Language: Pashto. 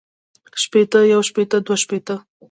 شپېتۀ يو شپېته دوه شپېته